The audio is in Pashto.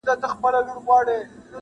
تاوېده لكه زمرى وي چا ويشتلى،